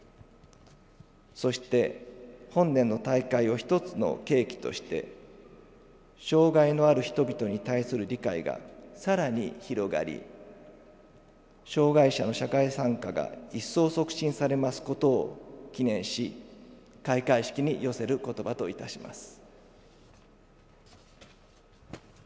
そして、本年の大会を１つの契機として障害のある人々に対する理解がさらに広がり障害者の社会参加が一層促進されますことを祈念し開会式に寄せる言葉といたします。